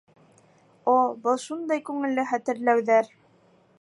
О, был шундай күңелле хәтерләүҙәр